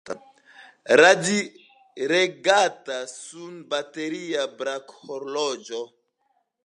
Radiregata sunbateria brakhorloĝo.